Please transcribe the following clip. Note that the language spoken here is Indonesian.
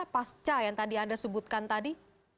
pasca yang tadi anda sebutkan tadi